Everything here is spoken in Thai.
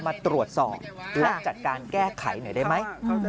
มาตรวจสอบและจัดการแก้ไขหน่อยได้ไหม